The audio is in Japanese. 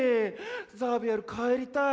ザビエル帰りたい。